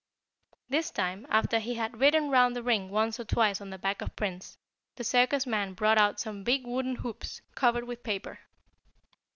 This time, after he had ridden around the ring once or twice on the back of Prince, the circus man brought out some big wooden hoops, covered with paper.